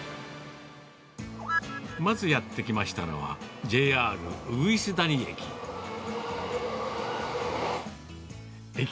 まずやって来ましたのは、ＪＲ鶯谷駅。